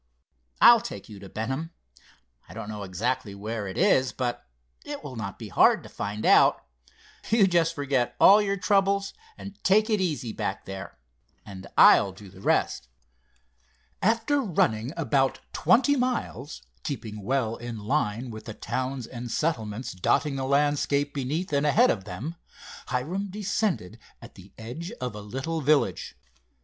I'll take you to Benham. I don't exactly know where it is, but it will not be hard to find out. You just forget all your troubles, and take it easy back there, and I'll do the rest." After running about twenty miles, keeping well in line with the towns and settlements dotting the landscape beneath and ahead of them, Hiram descended at the edge of a little village.